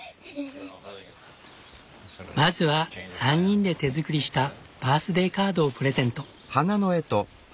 まずは３人で手作りしたバースデーカードをプレゼント。